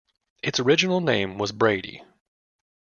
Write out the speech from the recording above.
Its original name was Brandy.